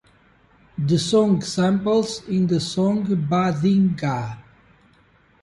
The song samples in the song BaDinGa!